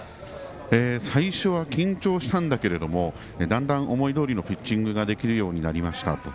最初は緊張したんだけれどもだんだん思いどおりのピッチングができるようになりましたと。